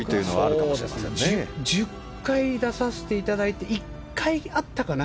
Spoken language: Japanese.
１０回出させていただいて１回あったかな。